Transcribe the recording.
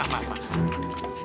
eh mah mah mah mah